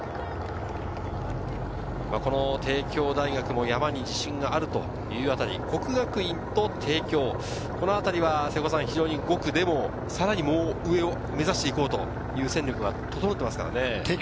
帝京大学も山に自信があるというあたり、國學院と帝京、このあたりは５区でもさらに上を目指して行こうという戦力が整っていますからね。